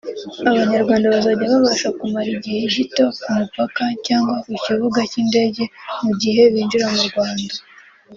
Abanyarwanda bazajya babasha kumara igihe gito ku mupaka cyangwa ku kibuga cy’indege mu gihe binjira mu Rwanda